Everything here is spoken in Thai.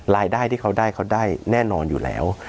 รายได้ที่เขาได้เขาได้แน่นอนอยู่แล้ว